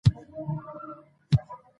اداري عدالت باور زېږوي